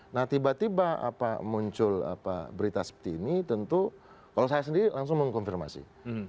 nah tiba tiba muncul berita seperti ini tentu kalau saya sendiri langsung mengkonfirmasi